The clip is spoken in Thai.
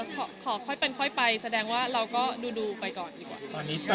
ขอค่อยเป็นค่อยไปแสดงว่าเราก็ดูไปก่อนดีกว่า